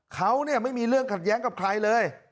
เขาไม่มีเรื่องขัดแย้งกับใครเลย